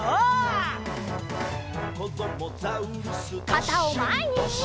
かたをまえに！